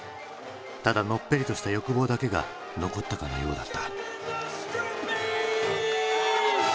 ただのっぺりとした欲望だけが残ったかのようだった。